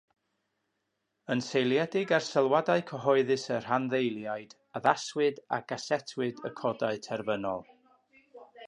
Yn seiliedig ar sylwadau cyhoeddus a rhanddeiliaid, addaswyd a gasetwyd y codau terfynol.